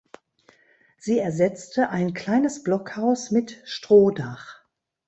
Sie ersetzte ein kleines Blockhaus mit Strohdach.